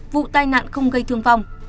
vụ tai nạn không gây thương vong